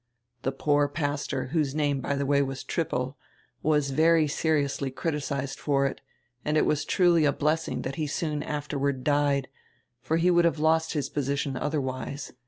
"The poor pastor, whose name, by the way, was Trippel, was very seriously criticised for it, and it was truly a blessing that he soon afterward died, for he would have lost his position otherwise.